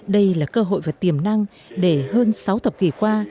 đây là cơ hội và tiềm năng để hơn sáu thập kỷ qua